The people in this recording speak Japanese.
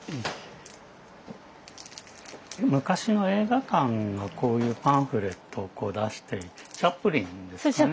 昔の映画館がこういうパンフレットを出していてチャップリンですかね？